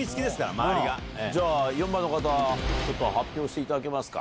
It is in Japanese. じゃあ４番の方発表していただけますか。